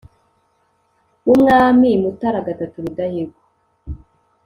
w'umwami mutara iii rudahigwa